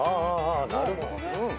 なるほどね。